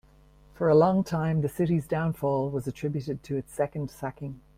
For a long time, the city's downfall was attributed to its second sacking.